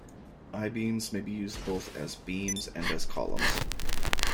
I-beams may be used both as beams and as columns.